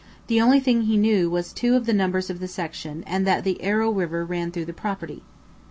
The only thing he knew was two of the numbers of the section and that the Arrow river ran through the property.